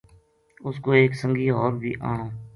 اس کو ایک سنگی ہور بی آنوں‘‘